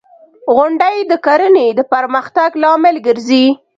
• غونډۍ د کرنې د پرمختګ لامل ګرځي.